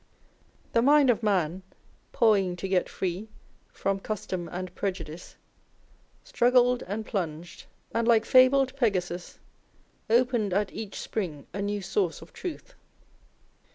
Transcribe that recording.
The mind of man, " pawing to get free " from custom and prejudice, struggled and plunged, and like fabled Pegasus, opened at each spring a new source of truth.